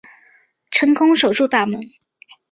成功守住大门